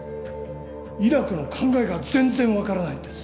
イラクの考えが全然分からないんです。